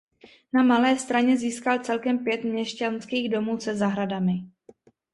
Na Malé Straně získal celkem pět měšťanských domů se zahradami.